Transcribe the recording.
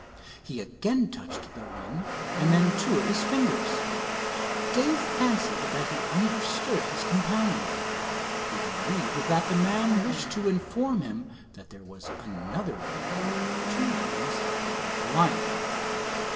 He again touched the ring and then two of his fingers. Dave fancied that he understood his companion. He believed that the man wished to inform him that there was another ring—two rings, both alike.